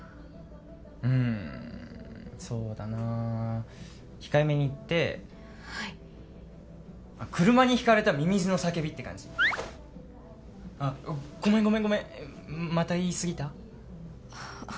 うんそうだな控えめに言ってはい車にひかれたミミズの叫びって感じあっごめんごめんごめんまた言いすぎた？